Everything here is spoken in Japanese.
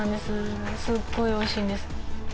すっごいおいしいんです